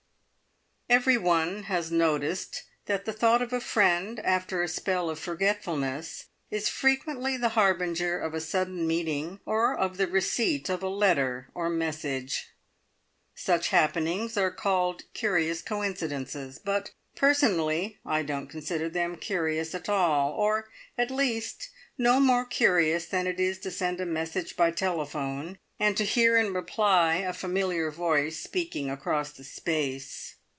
Every one has noticed that the thought of a friend after a spell of forgetfulness is frequently the harbinger of a sudden meeting, or of the receipt of a letter or message. Such happenings are called "curious coincidences"; but personally I don't consider them curious at all, or at least no more curious than it is to send a message by telephone, and to hear in reply a familiar voice speaking across the space.